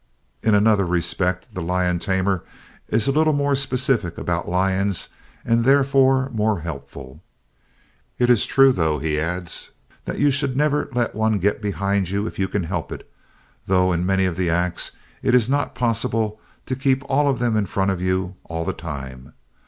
In another respect the lion tamer is a little more specific about lions and therefore more helpful. "It is true, though," he adds, "that you should never let one get behind you if you can help it, though in many of the acts it is not possible to keep all of them in front of you all the time."